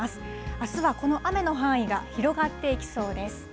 あすはこの雨の範囲が広がっていきそうです。